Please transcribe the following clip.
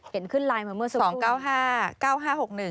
เป็นขึ้นไลน์มาเมื่อสักครู่